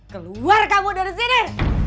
keluar kamu dari sini